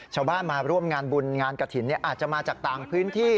ชาวบ้านมาร่วมงานบุญงานกระถิ่นอาจจะมาจากต่างพื้นที่